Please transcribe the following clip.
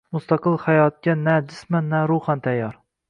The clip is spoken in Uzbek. Mustaqil hayotga na jisman, na ruhan tayyor